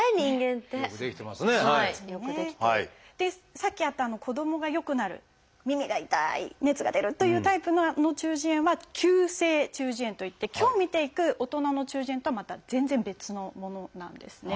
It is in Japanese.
さっきあった子どもがよくなる耳が痛い熱が出るというタイプの中耳炎は「急性中耳炎」といって今日見ていく大人の中耳炎とはまた全然別のものなんですね。